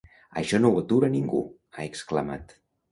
Això no ho atura ningú!, ha exclamat.